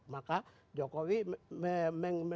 maka jokowi menumbuhkan kekuatan